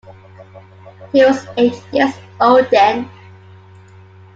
He was eight years old then.